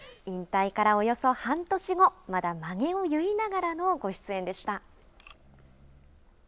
引退からおよそ半年後まだ、まげを結いながらのご出演でした。